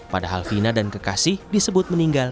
padahal vina dan kekasih disebut meninggal